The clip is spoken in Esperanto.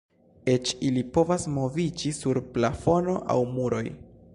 Eĉ ili povas moviĝi sur plafono aŭ muroj.